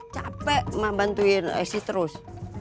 capek ma bantuin esi terus